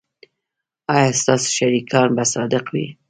ایا ستاسو شریکان به صادق وي؟